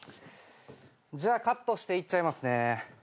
じゃあカットしていっちゃいますね。